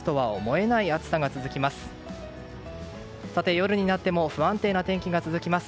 夜になっても不安定な天気が続きます。